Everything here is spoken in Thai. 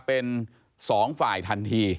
เป็น๒ฝ่ายทันที